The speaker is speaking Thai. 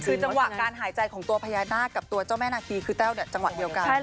การหายใจตัวภายนาฏกับเจ้าแม่นาฏคือเต้าเนี่ยจังหวัดเดียวกัน